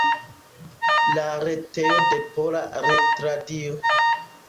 La retejo de Pola Retradio.